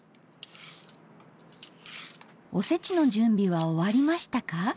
おせちの準備は終わりましたか？